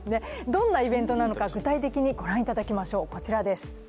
どんなイベントなのか具体的にご覧いただきましょう。